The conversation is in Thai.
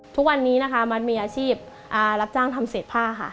ทุกวันนี้นะคะมัดมีอาชีพรับจ้างทำเศษผ้าค่ะ